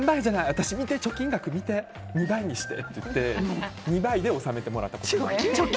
私、貯金額見て２倍にしてって言って２倍で収めてもらったりとか。